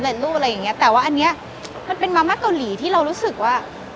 รูดอะไรอย่างเงี้แต่ว่าอันเนี้ยมันเป็นมาม่าเกาหลีที่เรารู้สึกว่า